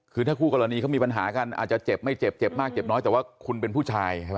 คือถ้าคู่กรณีเขามีปัญหากันอาจจะเจ็บไม่เจ็บเจ็บมากเจ็บน้อยแต่ว่าคุณเป็นผู้ชายใช่ไหม